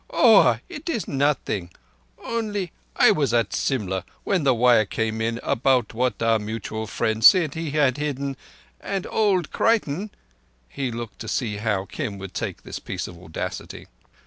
"Oah, it is nothing. Onlee I was at Simla when the wire came in about what our mutual friend said he had hidden, and old Creighton—" He looked to see how Kim would take this piece of audacity.